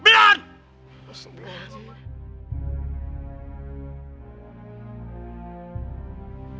masa belon pak haji